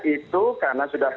itu karena sudah